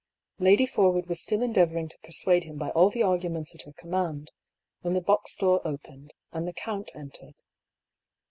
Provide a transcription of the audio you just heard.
Lady Forwood was still endeavouring to persuade him by all the arguments at her command, when the box door opened, and the count entered.